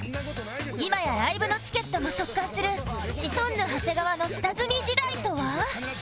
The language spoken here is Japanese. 今やライブのチケットも即完するシソンヌ長谷川の下積み時代とは？